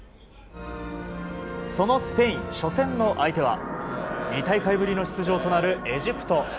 そのスペイン、初戦の相手は２大会ぶりの出場となるエジプト。